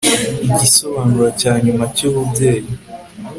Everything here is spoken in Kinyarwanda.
igisobanuro cyanyuma cyububyeyi